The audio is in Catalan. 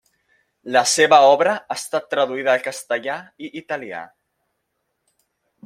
La seva obra ha estat traduïda al castellà i italià.